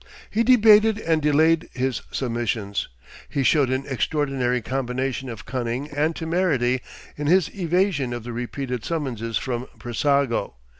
He debated and delayed his submissions. He showed an extraordinary combination of cunning and temerity in his evasion of the repeated summonses from Brissago.